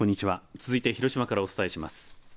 続いて広島からお伝えします。